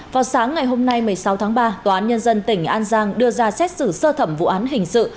vào sáng ngày hôm nay một mươi sáu tháng ba tòa án nhân dân tỉnh an giang đưa ra xét xử sơ thẩm vụ án hình sự